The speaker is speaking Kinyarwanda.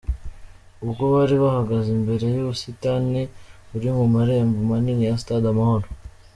Ubwo bari bahagaze imbere y'ubusitani buri mu marembo manini ya Stade Amahoro.